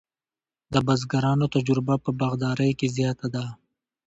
د بزګرانو تجربه په باغدارۍ کې زیاته ده.